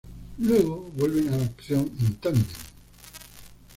Luego vuelven a la acción en tándem.